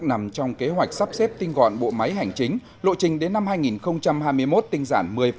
nằm trong kế hoạch sắp xếp tinh gọn bộ máy hành chính lộ trình đến năm hai nghìn hai mươi một tinh giản một mươi